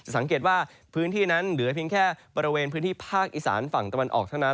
สังเกตว่าพื้นที่นั้นเหลือเพียงแค่บริเวณพื้นที่ภาคอีสานฝั่งตะวันออกเท่านั้น